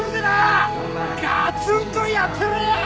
ガツンとやったれや！